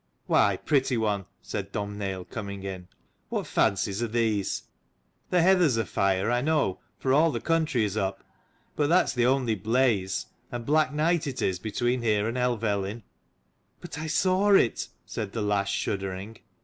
"Why, pretty one," said Domhnaill, coming in, "what fancies are these? The heather's afire I know, for all the country is up: but that is the only blaze, and black night it is between here and Helvellyn." "But I saw it," said the lass shuddering.